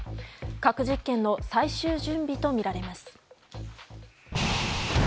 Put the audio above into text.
核実験の最終準備とみられます。